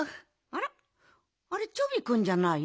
あらっあれチョビくんじゃない？